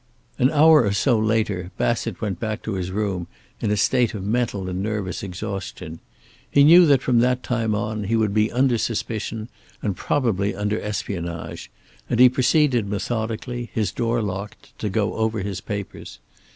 An hour or so later Bassett went back to his room in a state of mental and nervous exhaustion. He knew that from that time on he would be under suspicion and probably under espionage, and he proceeded methodically, his door locked, to go over his papers.